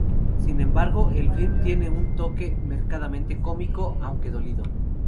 Sin embargo, el film tiene un toque marcadamente cómico, aunque dolido.